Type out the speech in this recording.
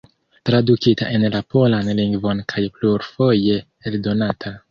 Tradukita en la polan lingvon kaj plurfoje eldonata.